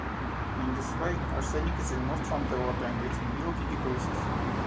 In this way, arsenic is removed from the water and its mobility decreases.